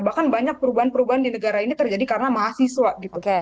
bahkan banyak perubahan perubahan di negara ini terjadi karena mahasiswa gitu